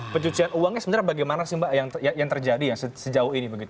pencucian uangnya sebenarnya bagaimana sih mbak yang terjadi sejauh ini